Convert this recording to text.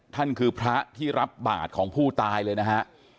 ท่านคือพระที่รับบาทของผู้ตายเลยนะฮะ